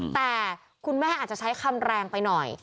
แต่คุณแม่อาจจะใช้คำแรงไปหน่อย